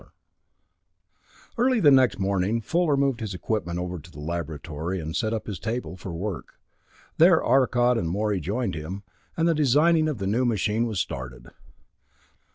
III Early the next morning Fuller moved his equipment over to the laboratory and set up his table for work. There Arcot and Morey joined him, and the designing of the new machine was started.